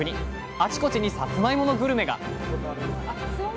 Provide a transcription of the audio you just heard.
あちこちにさつまいものグルメが！